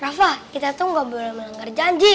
rafah kita tuh gak boleh melanggar janji